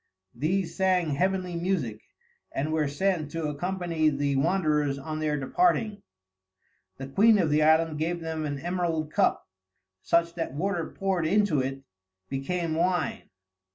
These sang heavenly music, and were sent to accompany the wanderers on their departing; the queen of the island gave them an emerald cup, such that water poured into it became wine.